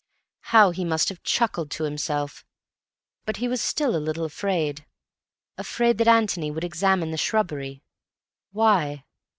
How he must have chuckled to himself! But he was still a little afraid. Afraid that Antony would examine the shrubbery. Why?